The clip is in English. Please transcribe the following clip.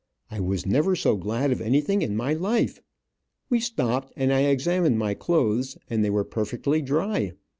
I was never so glad of anything in my life. We stopped, and I examined my clothes, and they were perfectly dry.